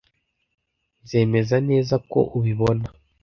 Nzemeza neza ko ubibona.